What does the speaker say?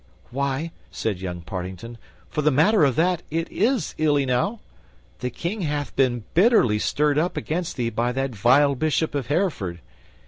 "Why," said young Partington, "for the matter of that, it is ill enow. The King hath been bitterly stirred up against thee by that vile Bishop of Hereford.